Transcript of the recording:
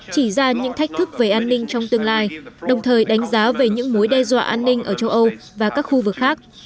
chỉ ra những thách thức về an ninh trong tương lai đồng thời đánh giá về những mối đe dọa an ninh ở châu âu và các khu vực khác